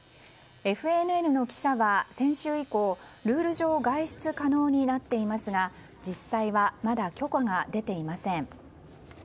ＦＮＮの記者は先週以降ルール上外出が可能になっていますが実際はまだ許可が出ていません。